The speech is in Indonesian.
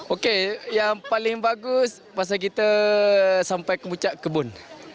oke yang paling bagus masa kita sampai kebun